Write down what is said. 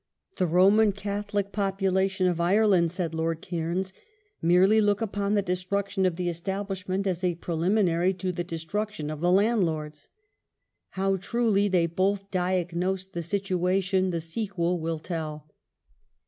" The Roman Catholic population of Ireland," said Lord Cairns, " merely look upon the destruction of the Establishment as a preliminary to the destruction of the landlords." How truly they both diagnosed the situation the sequel will tell.